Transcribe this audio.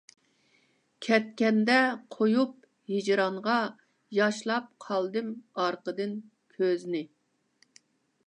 كەتكىنىدە قۇيۇپ ھىجرانغا، ياشلاپ قالدىم ئارقىدىن كۆزنى.